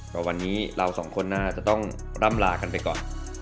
ก็วันนี้เราสองคนน่าจะต้องร่ำลากันไปก่อน